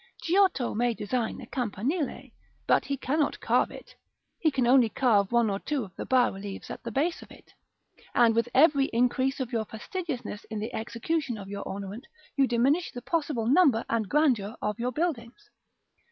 Giotto may design a campanile, but he cannot carve it; he can only carve one or two of the bas reliefs at the base of it. And with every increase of your fastidiousness in the execution of your ornament, you diminish the possible number and grandeur of your buildings.